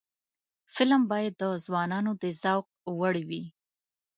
فلم باید د ځوانانو د ذوق وړ وي